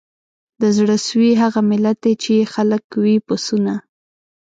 د زړه سوي هغه ملت دی چي یې خلک وي پسونه